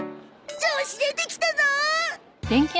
調子出てきたぞ！